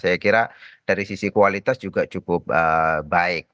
saya kira dari sisi kualitas juga cukup baik